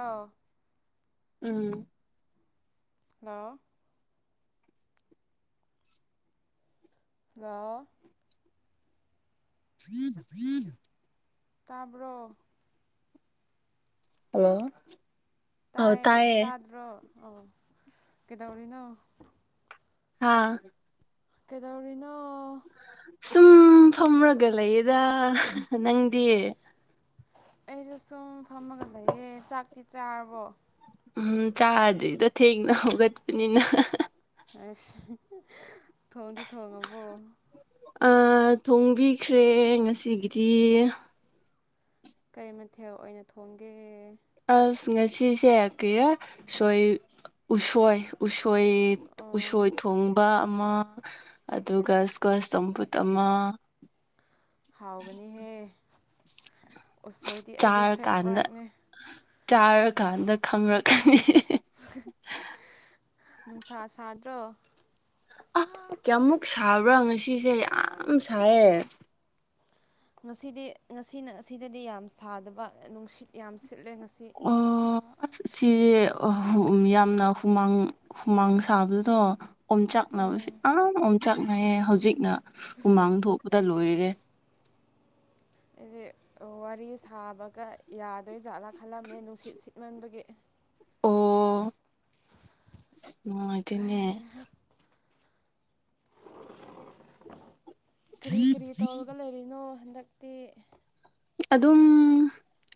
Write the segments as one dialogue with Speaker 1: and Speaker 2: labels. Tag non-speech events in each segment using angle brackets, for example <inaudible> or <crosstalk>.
Speaker 1: ꯑꯥ
Speaker 2: ꯎꯝ
Speaker 1: hello hello
Speaker 2: <inaudible>
Speaker 1: ꯇꯥꯕ꯭ꯔꯣ
Speaker 2: hello
Speaker 1: ꯇꯥꯏꯌꯦ ꯇꯥꯗ꯭ꯔꯣ ꯑꯥ ꯀꯩꯗꯧꯔꯤꯅꯣ
Speaker 2: ꯍꯥꯥ
Speaker 1: ꯀꯩꯗꯧꯔꯤꯅꯣ
Speaker 2: ꯁꯨꯝ ꯐꯝꯔꯒ ꯂꯩꯌꯦꯗ ꯅꯪꯗꯤ
Speaker 1: ꯑꯩꯖꯨ ꯁꯨꯝ ꯐꯝꯃ ꯆꯛꯇꯤ ꯆꯥꯔꯕꯣ
Speaker 2: ꯎꯝ ꯆꯥꯗ꯭ꯔꯤꯗ ꯊꯦꯡꯅ ꯍꯧꯒꯠꯄꯅꯤꯅ
Speaker 1: ꯑꯁ ꯊꯣꯡꯗꯤ ꯊꯣꯡꯉꯕꯣ
Speaker 2: ꯑꯥ ꯊꯣꯡꯕꯤꯈ꯭ꯔꯦ ꯉꯁꯤꯒꯤꯗꯤ
Speaker 1: ꯀꯩ ꯃꯊꯦꯜ ꯑꯣꯏꯅ ꯊꯣꯡꯒꯦ
Speaker 2: ꯑꯁ ꯉꯁꯤꯁꯦ ꯀ꯭ꯔꯤꯔ ꯁꯣꯏ ꯎꯁꯣꯏ ꯎꯁ ꯎꯁꯣꯏ
Speaker 1: ꯑꯣ
Speaker 2: ꯎꯁꯣꯏ ꯊꯣꯡꯕ ꯑꯃ ꯑꯗꯨꯒ ꯏꯁꯀ꯭ꯋꯥꯁ ꯆꯝꯐꯨꯠ ꯑꯃ
Speaker 1: ꯍꯥꯎꯒꯅꯤꯍꯦ ꯎꯁꯣꯏꯗꯤ ꯑꯩꯒꯤ
Speaker 2: ꯆꯥꯔꯀꯥꯟꯗ
Speaker 1: ꯐꯦꯚꯣꯔꯥꯏꯠꯅꯦ
Speaker 2: ꯆꯥꯔꯀꯥꯟꯗ ꯈꯪꯪꯔꯛꯀꯅꯤ
Speaker 1: ꯅꯨꯡꯁꯥ ꯁꯥꯗ꯭ꯔꯣ
Speaker 2: ꯑꯥ ꯀꯌꯥꯃꯨꯛ ꯁꯥꯕ꯭ꯔꯥ ꯉꯁꯤꯁꯦ ꯌꯥꯝ ꯁꯥꯏꯌꯦ
Speaker 1: ꯉꯁꯤꯗꯤ ꯉꯁꯤ ꯑꯁꯤꯗꯗꯤ ꯌꯥꯝ ꯁꯥꯗꯕ ꯅꯨꯡꯁꯤꯠ ꯌꯥꯝ ꯁꯤꯠ ꯂꯦ ꯉꯁꯤ
Speaker 2: ꯑꯣ ꯑꯁ ꯁꯤꯗꯤ ꯌꯥꯝꯅ ꯍꯨꯃꯥꯡ ꯍꯨꯃꯥꯡ ꯁꯥꯕꯗꯨꯗꯣ ꯑꯣꯝꯆꯥꯛ ꯅꯕꯁꯤ ꯌꯥꯝ ꯑꯣꯝꯆꯥꯛꯅꯩꯌꯦ ꯍꯧꯖꯤꯛꯅ ꯍꯨꯃꯥꯡ ꯊꯣꯛꯄꯗ ꯂꯣꯏꯔꯦ
Speaker 1: ꯑꯩꯗꯤ ꯋꯥꯔꯤ ꯁꯥꯕꯒ ꯌꯥꯗꯣꯏ ꯖꯥꯠꯂꯥ ꯈꯜꯂꯝꯃꯦ ꯅꯨꯡꯁꯤꯠ ꯁꯤꯠꯃꯟꯕꯒꯤ
Speaker 2: ꯑꯣ ꯅꯨꯡꯉꯥꯏꯇꯦꯅꯦ
Speaker 1: ꯀꯔꯤ ꯀꯔꯤ ꯇꯧꯔꯒ ꯂꯩꯔꯤꯅꯣ ꯍꯟꯗꯛꯇꯤ
Speaker 2: ꯑꯗꯨꯝ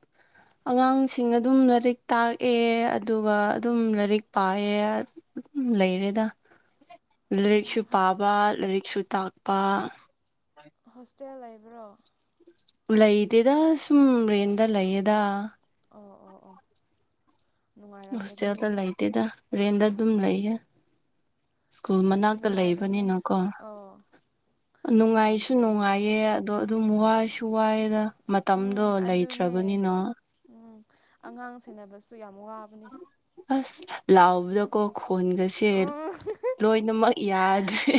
Speaker 1: <inaudible>
Speaker 2: ꯑꯉꯥꯡꯁꯤꯡ ꯑꯗꯨꯝ ꯂꯥꯏꯔꯤꯛ ꯇꯥꯛꯑꯦ ꯑꯗꯨꯒ ꯑꯗꯨꯝ ꯂꯥꯏꯔꯤꯛ ꯄꯥꯌꯦ ꯂꯩꯔꯦꯗ
Speaker 1: <inaudible>
Speaker 2: ꯂꯥꯏꯔꯤꯛꯁꯨ ꯄꯥꯕ ꯂꯥꯏꯔꯤꯛꯁꯨ ꯇꯥꯛꯄ
Speaker 1: ꯍꯣꯁꯇꯦꯜ ꯂꯩꯕ꯭ꯔꯣ
Speaker 2: ꯂꯩꯇꯦꯗ ꯁꯨꯝ ꯔꯦꯟꯗ ꯂꯩꯌꯦꯗ
Speaker 1: ꯑꯣ ꯑꯣ ꯑꯣ
Speaker 2: ꯍꯣꯁꯇꯦꯜꯗ
Speaker 1: ꯅꯨꯡꯉꯥꯏꯔꯝꯒꯅꯤꯅꯦ
Speaker 2: ꯂꯩꯇꯦꯗ ꯔꯦꯟꯗ ꯑꯗꯨꯝ ꯂꯩꯌꯦ ꯁ꯭ꯀꯨꯜ ꯃꯅꯥꯛꯇ
Speaker 1: ꯅꯨꯡꯉꯥꯏꯕꯅꯦ
Speaker 2: ꯂꯩꯕꯅꯤꯅꯀꯣ
Speaker 1: ꯑꯣ ꯌꯥꯝ
Speaker 2: ꯅꯨꯡꯉꯥꯏꯁꯨ
Speaker 1: ꯐꯩꯅꯦ
Speaker 2: ꯅꯨꯡꯉꯥꯏꯌꯦ ꯑꯗꯣ ꯑꯗꯨꯝ ꯋꯥꯁꯨ ꯋꯥꯏꯌꯦꯗ
Speaker 1: ꯎꯝ ꯑꯗꯨꯅꯦ ꯎꯝ ꯑꯉꯥꯡ ꯁꯦꯟꯅꯕꯁꯨ ꯌꯥꯝ ꯋꯥꯕꯅꯦ
Speaker 2: ꯑꯁ ꯂꯥꯎꯕꯗꯀꫭ ꯈꯣꯟꯒꯁꯦ
Speaker 1: ꯎꯝ
Speaker 2: ꯂꯣꯏꯅꯃꯛ ꯌꯥꯗ꯭ꯔꯦ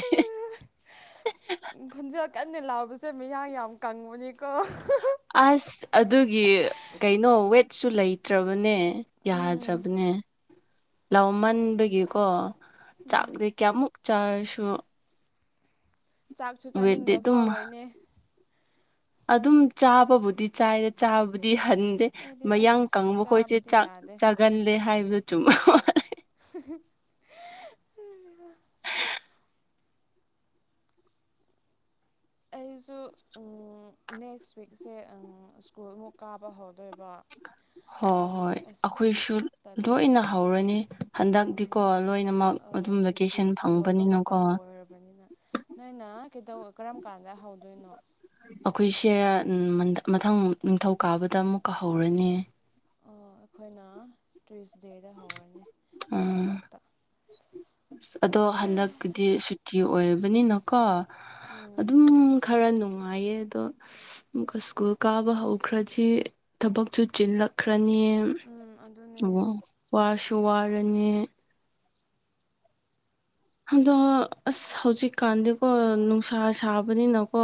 Speaker 1: ꯈꫭꯟꯖꯦꯜ ꯀꯟꯅ ꯂꯥꯎꯕꯁꯦ ꯃꯌꯥꯡ ꯌꯥꯝ ꯀꯪꯕꯅꯤꯀꯣ <unintelligible>
Speaker 2: ꯑꯁ ꯑꯗꯨꯒꯤ ꯀꯩꯅꯣ ꯋꯦꯠꯁꯨ ꯂꯩꯇ꯭ꯔꯕꯅꯦ ꯌꯥꯗ꯭ꯔꯞ
Speaker 1: ꯎꯝ
Speaker 2: ꯅꯦ ꯂꯥꯎꯃꯟꯕꯒꯤꯀꯣ
Speaker 1: ꯎꯝ
Speaker 2: ꯆꯥꯛꯗꯤ ꯀꯌꯥꯃꯨꯛ ꯆꯥꯔꯁꯨ
Speaker 1: ꯆꯥꯛꯁꯨ
Speaker 2: ꯋꯦꯠꯇꯤ
Speaker 1: ꯆꯥꯅꯤꯡꯕ
Speaker 2: ꯑꯗꯨꯝ
Speaker 1: ꯐꯥꯎꯔꯣꯏꯅꯦ
Speaker 2: ꯑꯗꯨꯝ ꯆꯥꯕꯕꯨꯗꯤ ꯆꯥꯏꯗ ꯆꯥꯕꯗꯤ ꯍꯟ ꯗꯦ
Speaker 1: ꯑꯩꯗꯤ
Speaker 2: ꯃꯌꯥꯡ
Speaker 1: ꯑꯁ
Speaker 2: ꯀꯪꯕꯈꯣꯏꯁꯦ
Speaker 1: ꯆꯥꯕꯗꯤ
Speaker 2: ꯆꯥꯛ
Speaker 1: ꯌꯥꯗꯦ
Speaker 2: ꯆꯥꯒꯜꯂꯦ ꯍꯥꯏꯕꯗꯨ ꯆꯨꯝ <unintelligible>
Speaker 1: ꯑꯩ ꯁꯨ <unintelligible> ꯅꯦꯛꯁ ꯋꯤꯛꯁꯦ ꯑꯪ ꯁ꯭ꯀꯨꯜꯃꯨꯛ ꯀꯥꯕ ꯍꯧꯗꯣꯏꯕ
Speaker 2: ꯍꯣ
Speaker 1: ꯑꯗꯨꯒꯤ
Speaker 2: ꯍꯣꯏ
Speaker 1: ꯑꯁ
Speaker 2: ꯑꯈꯣꯏꯁꯨ
Speaker 1: ꯇꯜꯂꯦ
Speaker 2: ꯂꯣꯏꯅ ꯍꯧꯔꯅꯤ ꯍꯟꯗꯛꯇꯤꯀꯣ ꯂꯣꯏꯅꯃꯛ
Speaker 1: ꯑ‌
Speaker 2: ꯑꯗꯨꯝ
Speaker 1: ꯚꯦꯀꯦꯁꯟ ꯂꯣꯏꯕ
Speaker 2: ꯐꯪꯕꯅꯤꯅꯀꯣ
Speaker 1: ꯃꯇꯝ ꯑꯣꯏꯔꯕꯅꯤꯅ ꯅꯣꯏꯅ ꯀꯩꯗꯧ ꯀꯔꯝ ꯀꯥꯟꯗ ꯍꯧ
Speaker 2: ꯑꯩꯈꯣꯏꯁꯦ ꯎꯝ ꯃꯊꯪ ꯅꯤꯡꯊꯧꯀꯥꯕꯗ ꯑꯃꯨꯛꯀ ꯍꯧꯔꯅꯤ
Speaker 1: ꯑꯣ ꯑꯈꯣꯏꯅ ꯇꯨꯏꯁꯗꯦꯗ ꯍꯧꯔꯅꯤ
Speaker 2: ꯑ
Speaker 1: ꯂꯩꯄꯥꯛꯄꯣꯛꯇ
Speaker 2: ꯑꯗꯣ ꯍꯟꯗꯛꯀꯤꯗꯤ ꯁꯨꯇꯤ ꯑꯣꯏ ꯕꯅꯤꯅꯀꯣ
Speaker 1: ꯎꯝ
Speaker 2: ꯑꯗꯨꯝ ꯈꯔ ꯅꯨꯡ ꯉꯥꯏꯌꯦ ꯑꯗꯣ ꯑꯃꯨꯛꯀ ꯁ꯭ꯀꯨꯜ ꯀꯥꯕ ꯍꯧꯈ꯭ꯔꯗꯤ ꯊꯕꯛꯁꯨ
Speaker 1: ꯑꯁ
Speaker 2: ꯆꯤꯜꯂꯛꯈ꯭ꯔꯅꯤ
Speaker 1: ꯎꯝ ꯑꯗꯨꯅꯦ
Speaker 2: ꯋꯥꯁꯨ ꯋꯥ ꯔꯅꯤ ꯑꯗꯣ ꯑꯁ ꯍꯧꯖꯤꯛꯀꯥꯟꯗꯤꯀꯣ ꯅꯨꯡꯁꯥ ꯁꯥꯕꯅꯤꯅ ꯀꯣ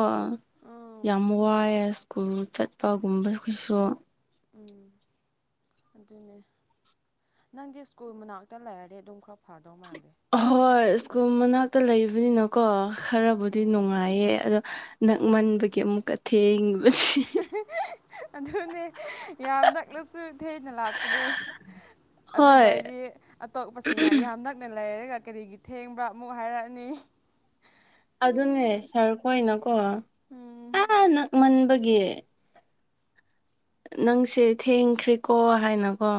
Speaker 1: ꯎꯝ
Speaker 2: ꯌꯥꯝ ꯋꯥꯏꯑꯦ ꯁ꯭ꯀꯨꯜ ꯆꯠꯄꯒꯨꯝꯕꯁꯨ
Speaker 1: ꯎꯝ ꯑꯗꯨꯅꯦ ꯅꯪꯗꯤ ꯁ꯭ꯀꯨꯜ ꯃꯅꯥꯛꯇ ꯂꯩꯔꯗꯤ ꯑꯗꯨꯝ ꯈꯔ ꯐꯗꯧ ꯃꯥꯥꯜꯂꯦ
Speaker 2: ꯑꯍꯣꯏ ꯁ꯭ꯀꯨꯜ ꯃꯅꯥꯛꯇ ꯂꯩꯕꯅꯤꯅꯀꯣ ꯈꯔꯕꯨꯗꯤ
Speaker 1: ꯎꯝ
Speaker 2: ꯅꯨꯡꯉꯥꯏꯌꯦ ꯑꯗꯣ ꯅꯛꯃꯟꯕꯒꯤ ꯑꯃꯨꯛꯀ ꯊꯦꯡ
Speaker 1: <unintelligible> ꯑꯗꯨꯅꯦ <unintelligible> ꯌꯥꯝ ꯅꯛꯂꯁꯨ ꯊꯦꯡꯅ ꯂꯥꯛꯄꯅꯦ ꯑꯗꯨꯅ
Speaker 2: ꯍꯣꯏ
Speaker 1: ꯑꯩꯗꯤ ꯑꯇꯣꯞꯄꯁꯤꯡꯅ ꯌꯥꯝ ꯅꯛꯅ ꯂꯩꯔ ꯒ ꯀꯔꯤꯒꯤ ꯊꯦꯡꯕ꯭ꯔ ꯑꯃꯨꯛ ꯍꯥꯏꯔꯛꯑꯅꯤ
Speaker 2: ꯑꯗꯨꯅꯦ ꯁꯥꯔ ꯈꯣꯏꯅꯀꯣ
Speaker 1: ꯎꯝ
Speaker 2: ꯑꯥ ꯅꯛꯃꯟꯕꯒꯤ ꯅꯪꯁꯦ ꯊꯦꯡꯈ꯭ꯔꯦꯀꯣ ꯍꯥꯏꯅꯀꯣ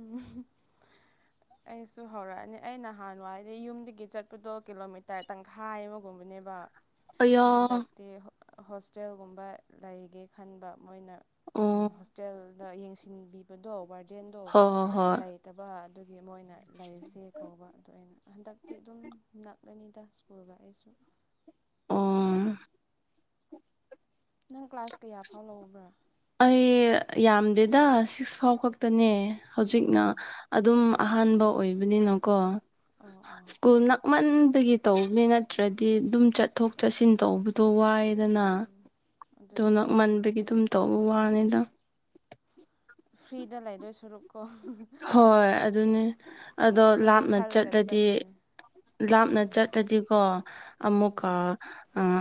Speaker 1: <inaudible> ꯑꯩꯁꯨ ꯍꯧꯔꯛꯑꯅꯤ ꯑꯩ ꯅꯍꯥꯟꯋꯥꯗꯤ ꯌꯨꯝꯗꯒꯤ ꯆꯠꯄꯗꯣ ꯀꯤꯂꯣꯃꯤꯇꯔ ꯇꯪꯈꯥꯏ ꯑꯃꯒꯨꯝꯕꯅꯦꯕ
Speaker 2: ꯑꯌꯥ
Speaker 1: ꯍꯟꯗꯛꯇꯤ ꯍꯣꯁꯇꯦꯜꯒꯨꯝꯕ ꯂꯩꯒꯦ ꯈꯟꯕ ꯃꯣꯏꯅ
Speaker 2: ꯑꯣ
Speaker 1: ꯍꯣꯁꯇꯦꯜꯗ ꯌꯦꯡꯁꯤꯟꯕꯤꯕꯗꯣ ꯋꯥꯔꯗꯦꯟꯗꯣ
Speaker 2: ꯍꯣꯏ ꯍꯣꯏ ꯍꯣꯏ
Speaker 1: ꯂꯩꯇꯕ ꯑꯗꯨꯒꯤ ꯃꯣꯏꯅ ꯂꯩꯁꯦ ꯀꯧꯕ ꯑꯗꯨꯗꯣ ꯑꯩꯅ ꯍꯟꯗꯛꯇꯤ ꯑꯗꯨꯝ ꯅꯛ ꯑꯅꯤꯗꯥ ꯁ꯭ꯨꯀꯜ ꯒꯁꯨ
Speaker 2: ꯑꯣ
Speaker 1: ꯅꯪ ꯀ꯭ꯂꯥꯁ ꯀꯌꯥ ꯐꯥꯎ ꯂꯧꯕ꯭ꯔꯥ
Speaker 2: ꯑꯩ ꯌꯥꯝꯗꯦꯗ ꯁꯤꯛꯁ ꯐꯥꯎ ꯈꯛꯇꯅꯦ ꯍꯧꯖꯤꯛꯅ
Speaker 1: ꯑꯣ
Speaker 2: ꯑꯗꯨꯝ ꯑꯍꯥꯟꯕ ꯑꯣꯏꯕꯅꯤꯅꯀꯣ
Speaker 1: ꯑꯣ ꯑꯣ
Speaker 2: ꯁ꯭ꯀꯨꯜ ꯅꯛꯃꯟ ꯕꯒꯤ ꯇꯧꯕꯅꯤ ꯅꯠꯇ꯭ꯔꯗꯤ ꯑꯗꯨꯝ ꯆꯠꯊꯣꯛ ꯆꯠꯁꯤꯟ ꯇꯧꯕꯗꯣ ꯋꯥꯏꯌꯦꯗꯅ
Speaker 1: ꯎꯝ
Speaker 2: ꯑꯗꯨ
Speaker 1: ꯑꯗꯨꯅꯤ
Speaker 2: ꯅꯛꯃꯟꯕꯒꯤ ꯑꯗꯨꯝ ꯇꯧꯕ ꯋꯥꯅꯤꯅ
Speaker 1: ꯐ꯭ꯔꯤꯗ ꯂꯩꯗꯣꯏ ꯁꯔꯨꯛ
Speaker 2: ꯍꯣꯏ ꯑꯗꯨꯅꯤ ꯑꯗꯣ
Speaker 1: ꯑꯗꯨꯒꯤ
Speaker 2: ꯂꯥꯞꯅ
Speaker 1: ꯈꯜꯂꯒ
Speaker 2: ꯆꯠꯂꯗꯤ
Speaker 1: ꯆꯠꯂꯤꯅꯦ
Speaker 2: ꯂꯥꯞꯅ
Speaker 1: ꯎꯝ
Speaker 2: ꯆꯠꯇꯂꯗꯤꯀꯣ ꯑꯃꯨꯛꯀ
Speaker 1: ꯎꯝ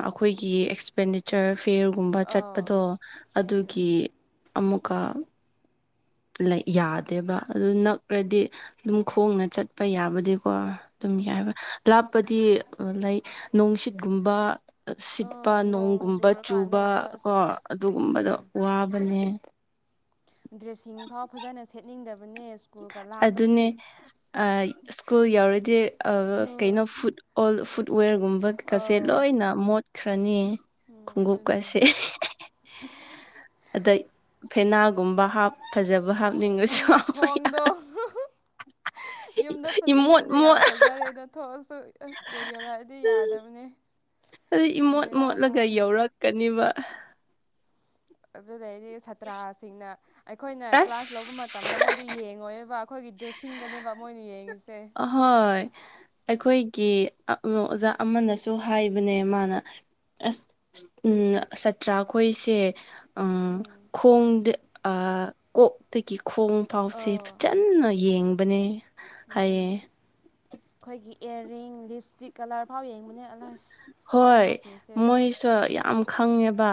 Speaker 2: ꯑꯩꯈꯣꯏꯒꯤ ꯑꯦꯛꯁꯄꯦꯟꯗꯤꯆꯔ ꯄꯦꯌꯔꯒꯨꯝꯕ
Speaker 1: ꯑꯥꯎ
Speaker 2: ꯆꯠꯄꯗꯣ ꯑꯗꯨꯒꯤ
Speaker 1: ꯑꯗꯨꯅꯦ
Speaker 2: ꯑꯃꯨꯛꯀ ꯌꯥꯗꯦꯕ ꯑꯗꯨ ꯅꯛꯔꯗꯤ ꯑꯗꯨꯝ ꯈꯣꯡꯅ ꯆꯠꯄ ꯌꯥꯕꯗꯤ ꯀꯣ ꯑꯗꯨꯝ
Speaker 1: ꯎꯝ
Speaker 2: ꯌꯥꯏꯕ ꯂꯥꯞꯄꯗꯤ ꯂꯥꯏꯛ ꯅꯨꯡꯁꯤꯠꯀꯨꯝꯕ ꯁꯤꯠꯄ
Speaker 1: ꯑꯥ ꯅꯣꯡ
Speaker 2: ꯅꯣꯡꯒꯨꯝꯕ ꯆꯨꯕ
Speaker 1: ꯆꯨꯔꯀꯥꯟꯗꯒꯨꯝꯕ
Speaker 2: ꯀꯣ
Speaker 1: ꯑꯁ
Speaker 2: ꯑꯗꯨꯒꯨꯝꯕꯗꯣ
Speaker 1: ꯎꯝ
Speaker 2: ꯋꯥꯕꯅꯦ
Speaker 1: ꯗ꯭ꯔꯦꯁꯤꯡ ꯐꯥꯎ ꯐꯖꯅ ꯁꯦꯠꯅꯤꯡꯗꯕ
Speaker 2: ꯑꯗꯨꯅꯦ ꯁ꯭ꯀꯨꯜ ꯌꯥꯎꯔꯗꯤ ꯑꯥ ꯀꯩꯅꯣ
Speaker 1: ꯎꯝ
Speaker 2: ꯐꯨꯗ ꯑꯣꯜ ꯐꯨꯠ ꯐꯨꯠꯋꯦꯔꯒꯨꯝꯕ ꯀꯁꯦ
Speaker 1: ꯑꯥ
Speaker 2: ꯂꯣꯏꯅ ꯃꯣꯠꯈ꯭ꯔꯅꯤ
Speaker 1: ꯎꯝ ꯑꯗꯨꯅꯦ
Speaker 2: ꯈꯨꯎꯞꯀꯁꯦ ꯑꯗꯩ ꯐꯦꯅꯥꯜꯒꯨꯝꯕ ꯍꯥꯞ ꯐꯖꯕ ꯍꯥꯞꯅꯤꯡꯉꯁꯨ ꯍꯥꯞꯄ
Speaker 1: ꯗꯣ ꯌꯨꯝꯗ ꯐꯖ
Speaker 2: ꯏꯃꯣꯠ
Speaker 1: ꯌꯨꯝꯗ
Speaker 2: ꯃꯣꯠ
Speaker 1: ꯌꯥꯝ ꯐꯖꯔꯦ ꯑꯗꯣ ꯊꯣꯛꯑꯁꯨ ꯁ꯭ꯀꯨꯜ ꯌꯧꯔꯛꯑꯗꯤ ꯌꯥꯗꯕꯅꯦ
Speaker 2: ꯑꯗꯨ ꯏꯃꯣꯠ
Speaker 1: ꯕꯦꯔꯥ
Speaker 2: ꯃꯣꯠꯂꯒ
Speaker 1: ꯀꯥꯔꯦ
Speaker 2: ꯌꯧꯔꯛꯀꯅꯤꯕ
Speaker 1: ꯑꯗꯨꯗꯩꯗꯤ ꯁꯥꯇ꯭ꯔꯥꯁꯤꯡꯅ ꯑꯩꯈꯣꯏꯅ ꯀ꯭ꯂꯥꯁ ꯂꯧꯕ ꯃꯇꯝꯗ
Speaker 2: ꯑꯁ
Speaker 1: ꯃꯣꯏꯗꯤ ꯌꯦꯡꯉꯣꯏꯕ ꯑꯩꯈꯣꯏꯒꯤ ꯗ꯭ꯔꯦꯁꯁꯤꯡꯗꯅꯦꯕ ꯃꯣꯏꯅ ꯌꯦꯡꯉꯤꯁꯦ
Speaker 2: ꯑꯍꯣꯏ ꯑꯩꯈꯣꯏ ꯀꯤ ꯑꯣꯖꯥ ꯑꯃꯅꯁꯨ ꯍꯥꯏꯕꯅꯦ ꯃꯥꯅ ꯑꯁ ꯎꯝ ꯁꯥꯇ꯭ꯔꯥꯈꯣꯏꯁꯦ ꯑꯥ
Speaker 1: ꯎꯝ
Speaker 2: ꯈꯣꯡꯗ ꯑꯥ ꯀꯣꯛꯇꯒꯤ ꯈꯣꯡꯐꯥꯎꯁꯦ
Speaker 1: ꯑꯧ
Speaker 2: ꯐꯖꯟꯅ ꯌꯦꯡꯕꯅꯦ ꯍꯥꯏꯌꯦ
Speaker 1: ꯑꯈꯣꯏꯒꯤ ꯏꯌꯥꯔꯤꯡ ꯂꯤꯞ ꯏꯁꯇꯤꯛ ꯀꯂꯔ ꯐꯥꯎ ꯌꯦꯡ
Speaker 2: ꯍꯣꯏ ꯃꯣꯏꯁꯨ ꯌꯥꯝ ꯈꯪꯉꯦꯕ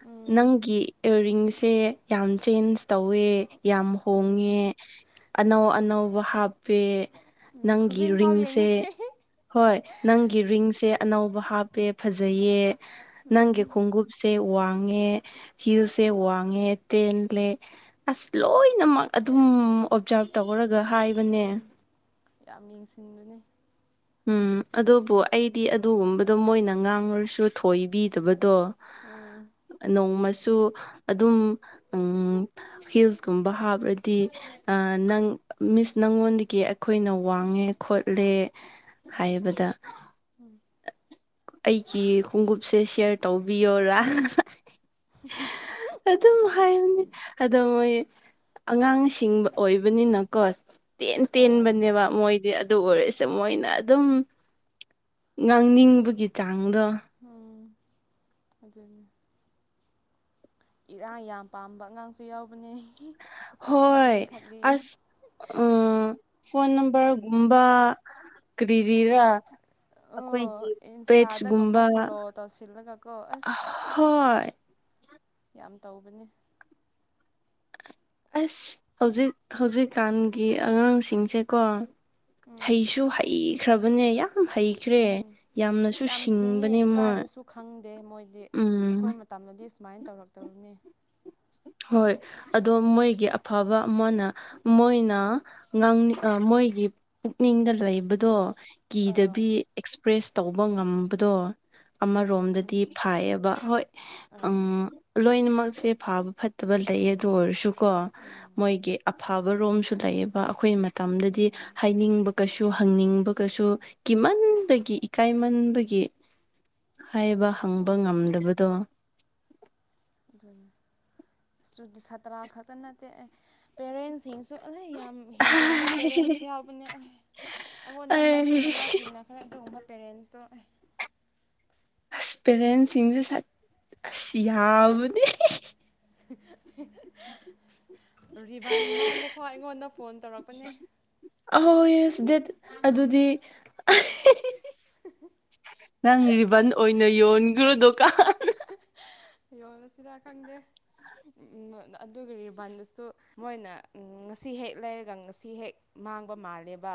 Speaker 1: ꯎꯝ
Speaker 2: ꯅꯪꯒꯤ ꯏꯌꯥꯔꯔꯤꯡꯁꯦ ꯌꯥꯝ ꯆꯦꯟꯖ ꯇꯧꯋꯦ ꯌꯥꯝ
Speaker 1: ꯎꯝ
Speaker 2: ꯍꯣꯡꯉꯦ ꯑꯅꯧ ꯑꯅꯧꯕ ꯍꯥꯞꯄꯦ
Speaker 1: ꯎꯝ
Speaker 2: ꯅꯪꯒꯤ
Speaker 1: ꯈꯨꯖꯤꯟ ꯐꯥꯎ
Speaker 2: ꯔꯤꯡꯁꯦ
Speaker 1: ꯌꯦꯡꯕꯅꯦ
Speaker 2: ꯍꯣꯏ ꯅꯪꯒꯤ ꯔꯤꯡꯁꯦ ꯑꯅꯧꯕ ꯍꯥꯞꯄꯦ ꯐꯖꯩꯌꯦ
Speaker 1: ꯎꯝ
Speaker 2: ꯅꯪꯒꯤ ꯈꯣꯡꯎꯞꯁꯦ ꯋꯥꯡ ꯉꯦ ꯍꯤꯜꯁꯦ ꯋꯥꯡꯉꯦ ꯇꯦꯟꯂꯦ ꯑꯁ ꯂꯣꯏꯅꯃꯛ ꯑꯗꯨꯝ ꯑꯣꯞꯖꯥꯔꯞ ꯇꯧꯔꯒ ꯍꯥꯏꯕꯅꯦ
Speaker 1: ꯎꯝ ꯌꯥꯝ ꯌꯦꯡꯁꯤꯟꯕꯅꯤ
Speaker 2: ꯎꯝ ꯑꯗꯨꯕꯨ ꯑꯩꯗꯤ ꯑꯗꯨꯒꯨꯝꯕꯗꯣ ꯃꯣꯏꯅ ꯉꯥꯡꯉꯨꯔꯁꯨ ꯊꯣꯏꯕꯤꯗꯕꯗꯣ
Speaker 1: ꯎꯝ
Speaker 2: ꯅꯣꯡꯃꯁ ꯁꯨ ꯑꯗꯨꯝ ꯎꯝ ꯍꯤꯜꯁꯀꯨꯝꯕ ꯍꯥꯞꯔꯗꯤ ꯅꯪ ꯃꯤꯁ ꯅꯪꯉꯣꯟꯗꯒꯤ ꯑꯩꯈꯣꯏꯅ ꯋꯥꯡꯉꯦ ꯈꯣꯠꯂꯦ ꯍꯥꯏꯕꯗ
Speaker 1: <inaudible>
Speaker 2: ꯑꯩꯒꯤ ꯈꯣꯡꯎꯞꯁꯦ ꯁꯤꯌꯔ ꯇꯧꯕꯤꯌꯣꯔꯥ ꯑꯗꯨꯝ ꯍꯥꯏꯕꯅꯦ ꯑꯗꯣ ꯃꯣꯏ ꯑꯉꯥꯡꯁꯤꯡꯕ ꯑꯣꯏꯕꯅꯤꯅꯀꯣ ꯇꯦꯟ ꯇꯦꯟ
Speaker 1: ꯑꯥ
Speaker 2: ꯕꯅꯦꯕ ꯃꯣꯏ ꯑꯗꯨ ꯑꯣꯏꯔꯁꯦ ꯃꯣꯏꯅ ꯑꯗꯨꯝ ꯉꯥꯡꯅꯤꯡꯕꯒꯤ ꯆꯥꯡꯗꯣ
Speaker 1: ꯎꯝ ꯑꯗꯨꯅꯤ ꯏꯔꯥꯡ ꯌꯥꯝ ꯄꯥꯝꯕ ꯑꯉꯥꯡꯁꯨ ꯌꯥꯎꯕꯅꯦ
Speaker 2: ꯍꯣꯏ
Speaker 1: ꯈꯠꯂꯤ ꯈꯠꯂꯤ
Speaker 2: ꯑꯁ ꯑꯥ ꯐꯣꯟ ꯅꯝꯕꯔꯒꯨꯝꯕ ꯀꯔꯤ ꯔꯤꯔꯥ
Speaker 1: ꯑꯣ
Speaker 2: ꯑꯈꯣꯏꯒꯤ ꯕꯦꯠꯁ ꯒꯨꯝꯕ
Speaker 1: ꯏꯟꯁꯇꯥꯗꯒꯨꯝꯕ ꯐꯣꯂꯣ ꯇꯧꯁꯤꯜꯂꯒꯀꯣ ꯑꯁ
Speaker 2: ꯍꯣꯏ
Speaker 1: ꯌꯥꯝ ꯇꯧꯕꯅꯤ
Speaker 2: ꯑꯁ ꯍꯧꯖꯤꯛ ꯍꯧꯖꯤꯛꯀꯥꯟꯒꯤ ꯑꯉꯥꯡꯁꯤꯡꯁꯦꯀꯣ
Speaker 1: ꯎꯝ
Speaker 2: ꯍꯩꯁꯨ ꯍꯩꯈ꯭ꯔꯕꯅꯦ ꯍꯩꯈ꯭ꯔꯦ
Speaker 1: ꯎꯝ
Speaker 2: ꯌꯥꯝꯅꯁꯨ
Speaker 1: ꯌꯥꯝ ꯁꯤꯡꯉꯦ
Speaker 2: ꯁꯤꯡꯕꯅꯦ ꯃꯣꯏ
Speaker 1: ꯏꯀꯥꯏꯕꯁꯨ ꯈꯪꯗꯦ ꯃꯣꯏꯗꯤ
Speaker 2: ꯎꯝ
Speaker 1: ꯑꯈꯣꯏ ꯃꯇꯝꯗꯗꯤ ꯁꯨꯃꯥꯏꯅ ꯇꯧꯔꯛꯇꯕꯅꯤ
Speaker 2: ꯍꯣꯏ ꯑꯗꯣ ꯃꯣꯏꯒꯤ ꯑꯐꯕ ꯑꯃꯅ ꯃꯣꯏꯅ ꯉꯥꯡꯅꯤꯡ ꯃꯣꯏ ꯑꯩꯒꯤ ꯄꯨꯛꯅꯤꯡꯗ ꯂꯩꯕꯗꯣ
Speaker 1: ꯑꯥ
Speaker 2: ꯀꯤꯗꯕꯤ ꯑꯦꯛꯁꯄ꯭ꯔꯦꯁ ꯇꯧꯕ ꯉꯝꯕꯗꯣ
Speaker 1: ꯎꯝ
Speaker 2: ꯑꯃꯔꯣꯝꯗꯗꯤ
Speaker 1: ꯑꯗꯨꯅꯤ
Speaker 2: ꯐꯩꯌꯦꯕ ꯍꯣꯏ ꯎꯝ
Speaker 1: ꯑꯥ
Speaker 2: ꯂꯣꯏꯅꯃꯛꯁꯦ ꯐꯥꯕ ꯐꯠ ꯐꯠꯇꯕ ꯂꯩꯌꯦ ꯑꯗꯨ ꯑꯣꯏꯔꯁꯨꯀꯣ
Speaker 1: ꯎꯝ
Speaker 2: ꯃꯣꯏꯒꯤ ꯑꯐꯕ ꯔꯣꯝꯁꯨ ꯂꯩꯌꯦꯕ ꯑꯈꯣꯏ ꯃꯇꯝꯗꯗꯤ
Speaker 1: ꯎꯝ
Speaker 2: ꯍꯥꯏꯅꯤꯡꯕ ꯀꯩꯁꯨ ꯍꯪꯅꯤꯡꯕꯒꯁꯨ ꯀꯤꯃꯟꯕꯒꯤ ꯏꯀꯥꯏꯃꯟꯕꯒꯤ ꯍꯥꯏꯕ ꯍꯪꯕ
Speaker 1: ꯎꯝ
Speaker 2: ꯉꯝꯗꯕꯗꯣ
Speaker 1: ꯁꯇ꯭ꯔꯥ ꯈꯛꯇ ꯅꯠꯇꯦ ꯄꯦꯔꯦꯟꯁꯤꯡꯁꯨ ꯑꯩ ꯌꯥꯝ ꯍꯦꯟꯖꯤꯟꯕ ꯄꯦꯔꯦꯟꯁ ꯌꯥꯎꯕꯅꯦ ꯑꯩ ꯑꯩꯉꯣꯟꯗ ꯃꯔꯤ
Speaker 2: ꯑꯩ
Speaker 1: ꯃꯉꯥ ꯊꯦꯡꯅꯈ꯭ꯔꯦ ꯑꯗꯨꯒꯨꯝꯕ ꯄꯦꯔꯦꯟꯁꯇꯣ ꯑꯩ
Speaker 2: ꯑꯁ ꯄꯦꯔꯦꯟ ꯁꯤꯡꯁꯨ ꯁꯠ ꯑꯁ ꯌꯥꯕꯅꯦ
Speaker 1: <inaudible> ꯔꯤꯕꯟ ꯃꯥꯡꯕ ꯐꯥꯎ ꯑꯩꯉꯣꯟꯗ ꯐꯣꯟ ꯇꯧꯔꯛꯄꯅꯦ
Speaker 2: ꯑꯍꯣꯏ ꯌꯦꯁ ꯗꯦꯠ ꯑꯗꯨꯗꯤ ꯅꯪ ꯔꯤꯕꯟ ꯑꯣꯏꯅ ꯌꯣꯟꯈ꯭ꯔꯣ ꯗꯨꯀꯥꯟ
Speaker 1: ꯌꯣꯜꯂꯁꯤꯔ ꯈꯪꯗꯦ ꯑꯗꯨꯒꯤ ꯔꯤꯕꯟꯗꯨꯁꯨ ꯃꯣꯏꯅ ꯉꯁꯤ ꯍꯦꯛ ꯂꯩꯔꯒ ꯉꯁꯤ ꯍꯦꯛ ꯃꯥꯡꯕ ꯃꯥꯜꯂꯦꯕ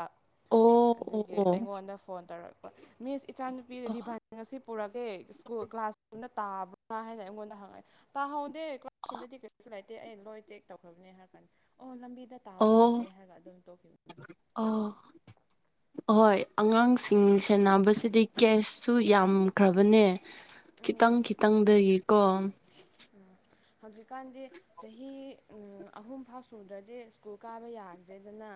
Speaker 2: ꯑꯣ
Speaker 1: ꯑꯗꯨꯒꯤ
Speaker 2: ꯑꯣ
Speaker 1: ꯑꯩꯉꯣꯟꯗ ꯐꯣꯟ ꯇꯧꯔꯛꯄ ꯃꯤꯁ ꯏꯆꯥꯅꯨꯄꯤ ꯔꯤꯚꯟ ꯑꯁꯤ ꯄꯨꯔꯛꯇꯦ ꯁ꯭ꯀꯨꯜ ꯀ꯭ꯂꯥꯁ ꯁ꯭ꯀꯨꯗ ꯇꯕ꯭ꯔꯥ ꯍꯥꯏꯅ ꯑꯩꯉꯣꯟꯗ ꯍꯪꯉꯛꯑꯦ ꯇꯥꯍꯧꯗꯦ ꯀ꯭ꯂꯥꯁꯔꯨꯝꯗꯗꯤ ꯀꯩꯁꯨ ꯂꯩꯇꯦ ꯑꯩ ꯂꯣꯏ ꯆꯦꯛ ꯇꯧꯈ꯭ꯔꯕꯅꯦ ꯍꯥꯏꯔꯀꯅꯤ ꯑꯣ ꯂꯝꯕꯤꯗ ꯇꯥꯕ
Speaker 2: ꯑꯣ
Speaker 1: ꯃꯥꯜꯂꯦ ꯍꯥꯏꯔꯒ ꯑꯗꯨꯝ ꯇꯣꯛꯈꯤꯕ ꯎꯝ
Speaker 2: ꯑꯣ ꯑꯍꯣꯏ ꯑꯉꯥꯡꯁꯤꯡ ꯁꯦꯟꯅꯕꯁꯤꯗꯤ ꯀꯦꯁꯁꯨ ꯌꯥꯝꯈ꯭ꯔꯕꯅꯦ ꯈꯤꯇꯪ ꯈꯤꯇꯪꯗꯒꯤꯀꯣ
Speaker 1: ꯎꯝ ꯍꯧꯖꯤꯛꯀꯥꯟꯗꯤ ꯆꯍꯤ ꯎꯝ ꯑꯍꯨꯝ ꯐꯥꯎ ꯁꯨꯗ꯭ꯔꯗꯤ ꯁ꯭ꯀꯨꯜ ꯀꯥꯕ ꯌꯥꯗ꯭ꯔꯦꯗꯅ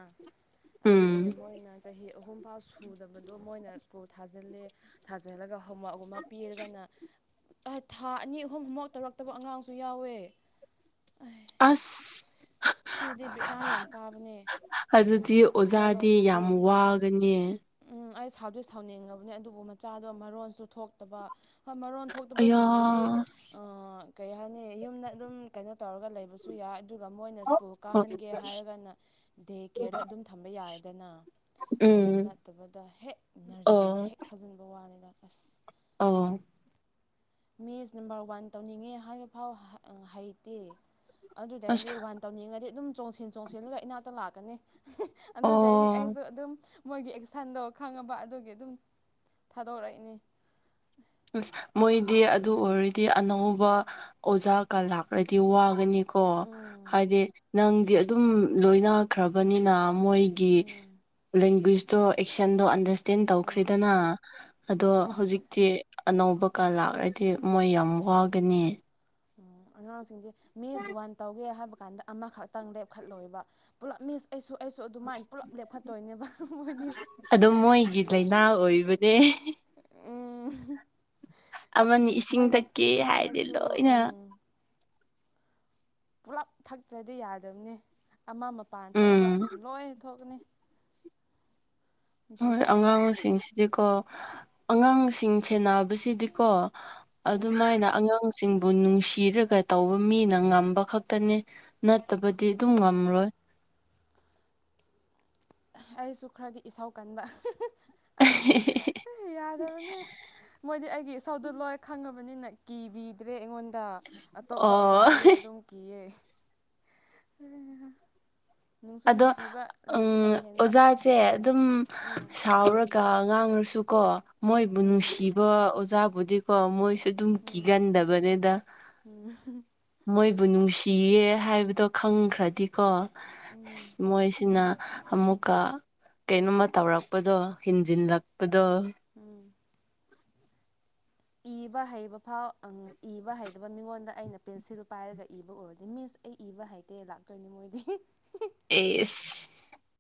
Speaker 1: ꯑꯗꯨꯒꯤ
Speaker 2: ꯎꯝ
Speaker 1: ꯃꯣꯏꯅ ꯆꯍꯤ ꯑꯍꯨꯝ ꯐꯥꯎ ꯁꯨꯗꯕꯗꯣ ꯃꯣꯏꯅ ꯁ꯭ꯀꯨꯜ ꯊꯥꯖꯤꯜꯂꯦ ꯊꯥꯖꯤꯜꯂꯒ ꯍꯣꯝꯋꯥꯛꯀꯨꯝꯕ ꯑꯃ ꯄꯤꯔꯒꯅ ꯊꯥ ꯑꯅꯤ ꯑꯍꯨꯝꯝꯨꯛ ꯇꯧꯔꯛꯇꯕ ꯑꯉꯥꯡꯁꯨ ꯌꯥꯎꯋꯦ ꯑꯩ ꯑꯁ ꯁꯤꯗꯤ ꯕꯦꯔꯥ ꯌꯥꯝ ꯀꯥꯕꯅꯦ
Speaker 2: ꯑꯗꯨꯗꯤ
Speaker 1: ꯑꯩꯈꯣꯏ
Speaker 2: ꯑꯣꯖꯥꯗꯤ
Speaker 1: ꯂꯣꯝꯗꯗꯤ
Speaker 2: ꯌꯥꯝ ꯋꯥꯒꯅꯤ
Speaker 1: ꯎꯝ ꯑꯩ ꯁꯥꯎꯗꯤ ꯁꯥꯎꯅꯤꯡꯉꯕꯅꯤ ꯑꯗꯨꯕꯨ ꯃꯆꯥꯗꯣ ꯃꯔꯣꯟꯁꯨ ꯊꯣꯛꯇꯕ ꯃꯔꯣꯟ
Speaker 2: ꯑꯌꯥ
Speaker 1: ꯊꯣꯛꯇꯕꯁꯤꯡꯗꯨꯗꯤ ꯑꯥ ꯀꯩ ꯍꯥꯏꯅꯤ ꯌꯨꯝꯗ ꯑꯗꯨꯝ ꯀꯩꯅꯣ ꯇꯧꯔꯒ ꯂꯩꯕꯁꯨ ꯌꯥ ꯑꯗꯨꯒ ꯃꯣꯏꯅ ꯁ꯭ꯀꯨꯜ ꯀꯥꯍꯟꯒꯦ ꯍꯥꯏꯔꯒꯅ ꯗꯦ ꯀꯦꯌꯔꯗ ꯑꯗꯨꯝ ꯊꯝꯕ ꯌꯥꯔꯦꯗꯅ
Speaker 2: ꯎꯝ
Speaker 1: ꯐꯠꯇꯕꯗ ꯍꯦꯛ ꯅꯔꯖꯔꯤꯗ
Speaker 2: ꯑꯣ
Speaker 1: ꯍꯦꯛ ꯊꯥꯖꯤꯟꯕ ꯋꯥꯅꯤꯗ ꯑꯁ
Speaker 2: ꯑꯣ
Speaker 1: ꯃꯦꯁꯦ ꯅꯝꯕꯔ ꯋꯥꯟ ꯇꯧꯅꯤꯡꯉꯦ ꯍꯥꯏꯕ ꯐꯥꯎ ꯍꯩꯇꯦ ꯑꯗꯨꯗꯗꯤ
Speaker 2: ꯑꯁ
Speaker 1: ꯋꯥꯟ ꯇꯧꯅꯤꯡꯉꯗꯤ ꯑꯗꯨꯝ ꯆꯣꯡꯁꯤꯟ ꯆꯣꯡꯁꯤꯜꯂꯒ ꯏꯅꯥꯛꯇ ꯂꯥꯛꯀꯅꯤ ꯑꯗꯨꯗꯩꯗꯤ
Speaker 2: ꯑꯣ
Speaker 1: ꯑꯩꯁꯨ ꯑꯗꯨꯝ ꯃꯣꯏꯒꯤ ꯑꯦꯛꯁꯟꯗꯣ ꯈꯪꯉꯕ ꯑꯗꯨꯒꯤ ꯑꯗꯨꯝ ꯊꯥꯗꯣꯔꯛꯏꯅꯤ
Speaker 2: ꯑꯁ ꯃꯣꯏꯗꯤ ꯑꯗꯨ ꯑꯣꯏꯔꯗꯤ ꯑꯅꯧꯕ ꯑꯣꯖꯥꯒ ꯂꯥꯛꯂꯗꯤ ꯋꯥꯒꯅꯤ ꯀꯣ
Speaker 1: ꯎꯝ
Speaker 2: ꯍꯥꯏꯗꯤ ꯅꯪꯗꯤ ꯑꯗꯨꯝ ꯂꯣꯏꯅꯈ꯭ꯔꯕꯅꯤꯅ ꯃꯣꯏꯒꯤ
Speaker 1: ꯎꯝ
Speaker 2: ꯂꯦꯡꯒꯨꯏꯁꯇꯣ ꯑꯦꯛꯁꯟꯗꯣ ꯑꯟꯗꯔꯁ ꯇꯦꯟ
Speaker 1: ꯎꯝ
Speaker 2: ꯇꯧꯈ꯭ꯔꯤꯗꯅ ꯑꯗꯣ
Speaker 1: ꯍꯣꯏ
Speaker 2: ꯍꯧꯖꯤꯛꯇꯤ ꯑꯅꯧꯕꯀꯥ ꯂꯥꯛꯔꯗꯤ ꯃꯣꯏ ꯌꯥꯝ ꯋꯥꯒꯅꯤ
Speaker 1: ꯑꯉꯥꯡꯁꯤꯡꯁꯦ ꯃꯤꯁ ꯋꯥꯟ ꯇꯧꯒꯦ ꯍꯥꯏꯕ ꯀꯥꯟꯗ ꯑꯃꯈꯛꯇꯪ ꯂꯦꯞꯈꯠꯂꯣꯏꯕ ꯄꯨꯂꯞ ꯃꯤꯁ ꯑꯩꯁꯨ ꯑꯩꯁꯨ ꯑꯗꯨꯃꯥꯏꯅ ꯄꯨꯜꯂꯞ ꯂꯦꯞꯈꯠꯇꯣꯏꯅꯦꯕ ꯃꯣꯏꯗꯤ
Speaker 2: ꯑꯗꯣ ꯃꯣꯏꯒꯤ ꯂꯥꯏꯅꯥ ꯑꯣꯏꯕꯅꯦ
Speaker 1: ꯎꯝ
Speaker 2: ꯑꯃꯅ ꯏꯁꯤꯡ
Speaker 1: ꯃꯣꯏꯅ
Speaker 2: ꯊꯛꯀꯦ ꯍꯥꯏꯔꯗꯤ
Speaker 1: ꯈꯪꯉꯁꯨ
Speaker 2: ꯂꯣꯏꯅ
Speaker 1: ꯄꯨꯜꯂꯞ ꯊꯛꯇ꯭ꯔꯗꯤ ꯌꯥꯗꯕꯅꯤ ꯑꯃ ꯃꯄꯥꯟ
Speaker 2: ꯎꯝ
Speaker 1: ꯊꯣꯛꯑꯕ ꯂꯣꯏꯅ ꯊꯣꯛꯀꯅꯤ
Speaker 2: ꯍꯣꯏ
Speaker 1: ꯕꯦꯔꯥꯅꯤ
Speaker 2: ꯑꯉꯥꯡꯁꯤꯡꯁꯤꯗꯤꯀꯣ ꯑꯉꯥꯡꯁꯤꯡ ꯁꯦꯟꯅꯕꯁꯤꯗꯤꯀꯣ
Speaker 1: ꯎꯝ
Speaker 2: ꯑꯗꯨꯃꯥꯏꯅ ꯑꯉꯥꯡ ꯁꯤꯡꯕꯨ ꯅꯨꯡꯁꯤꯔꯒ ꯇꯧꯕ ꯃꯤꯅ ꯉꯝꯕ ꯈꯛꯇꯅꯤ ꯅꯠꯇꯕꯗꯤ
Speaker 1: ꯎꯝ
Speaker 2: ꯑꯗꯨꯝ ꯉꯝꯔꯣꯏ
Speaker 1: ꯑꯩꯁꯨ ꯈꯔꯗꯤ ꯏꯁꯥꯎ ꯀꯟꯕ ꯑꯦ ꯌꯥꯗꯕꯅꯦ ꯃꯣꯏꯗꯤ ꯑꯩꯒꯤ ꯏꯁꯧꯗꯨ ꯂꯣꯏ ꯈꯪꯉꯕ ꯕꯅꯤꯅ ꯀꯤꯕꯤꯗ꯭ꯔꯦ ꯑꯩꯉꯣꯟꯗ ꯑꯇꯣꯞꯄ
Speaker 2: ꯑꯣ
Speaker 1: ꯑꯣꯖꯥꯗꯗꯤ ꯑꯗꯨꯝ ꯀꯤꯌꯦ ꯑꯩꯍꯥ
Speaker 2: ꯑꯗꯣ ꯎ ꯑꯣꯖꯥꯁꯦ ꯑꯗꯨꯝ
Speaker 1: ꯎꯝ
Speaker 2: ꯁꯥꯎꯔꯒ ꯀ ꯉꯥꯡꯔꯁꯨ ꯀꯣ ꯃꯣꯏꯕꯨ
Speaker 1: ꯎꯝ
Speaker 2: ꯅꯨꯡꯁꯤꯕ ꯑꯣꯖꯥꯕꯨꯗꯤꯀꯣ ꯃꯣꯏ ꯑꯗꯨꯝ
Speaker 1: ꯎꯝ
Speaker 2: ꯀꯤꯒꯟꯗꯕꯅꯦꯗ
Speaker 1: ꯎꯝ
Speaker 2: ꯃꯣꯏꯕꯨ ꯅꯨꯡꯁꯤ ꯄꯤꯌꯦ ꯍꯥꯏꯕꯗꯣ ꯈꯪꯈ꯭ꯔꯗꯤꯀꯣ
Speaker 1: ꯎꯝ
Speaker 2: ꯃꯣꯏꯁꯤꯅ ꯑꯃꯨꯛꯀ ꯀꯩꯅꯣꯝꯃ ꯇꯧꯔꯛꯄꯗꯣ ꯍꯦꯟꯖꯤꯜꯂꯛꯄꯗꯣ ꯗꯣ
Speaker 1: ꯎꯝ ꯏꯕ ꯍꯩꯕ ꯐꯥꯎ ꯏꯕ ꯍꯩꯗꯕ ꯃꯤꯉꯣꯟꯗ ꯑꯩꯅ ꯄꯦꯟꯁꯤꯜ ꯄꯥꯏꯔꯒ ꯏꯕ ꯎꯔꯗꯤ ꯃꯤꯁ ꯑꯩ ꯏꯕ ꯍꯥꯏꯇꯦ ꯂꯥꯛꯇꯣꯏꯅꯦ ꯃꯣꯏꯗꯤ
Speaker 2: ꯑꯦꯢꯁ